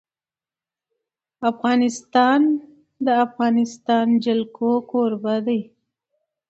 افغانستان د د افغانستان جلکو کوربه دی.